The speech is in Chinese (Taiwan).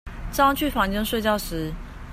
正要去房間睡覺時